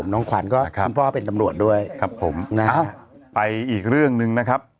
น้องขวัญก็คุณพ่อเป็นตำรวจด้วยครับผมนะไปอีกเรื่องหนึ่งนะครับ